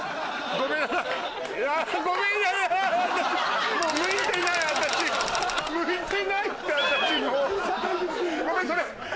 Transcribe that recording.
ごめんそれ。